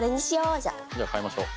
じゃあ買いましょう。